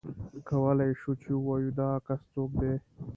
کولای شې چې ووایې دا کس څوک دی.